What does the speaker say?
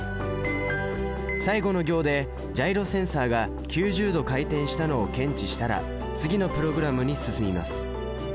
最後の行でジャイロセンサが９０度回転したのを検知したら次のプログラムに進みます。